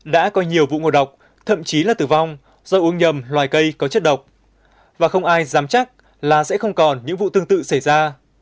đã có nhiều vụ ngộ độc thậm chí là tử vong do uống nhầm loài cây có chất độc và không ai dám chắc là sẽ không còn những vụ tương tự xảy ra